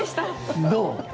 どう？